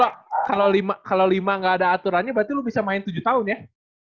oh gini berarti kalo lima gak ada aturannya berarti lu bisa main tujuh tahun ya